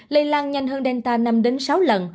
lây lan nhanh hơn delta năm sáu lần